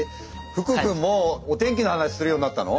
福くんもうお天気の話するようになったの？